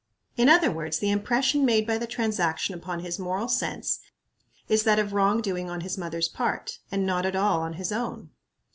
In other words, the impression made by the transaction upon his moral sense is that of wrong doing on his mother's part, and not at all on his own.